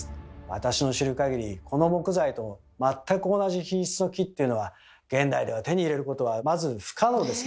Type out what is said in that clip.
私の知る限りこの木材と全く同じ品質の木っていうのは現代では手に入れることはまず不可能ですね。